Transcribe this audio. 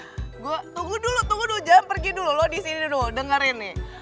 tunggu dulu jangan pergi dulu lo disini dulu dengerin nih